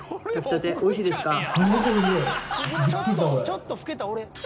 「ちょっと老けた俺」